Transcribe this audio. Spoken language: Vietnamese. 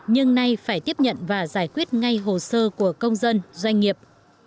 nhưng nay phải tiếp nhận và giải quyết ngay hồ sơ của công dân doanh nghiệp